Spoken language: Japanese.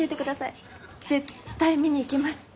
絶対見に行きます！